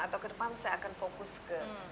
atau ke depan saya akan fokus ke